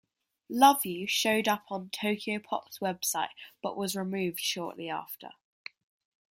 Love You showed up on Tokyopop's website but was removed shorty after.